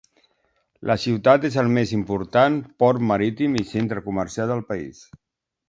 La ciutat és el més important port marítim i centre comercial del país.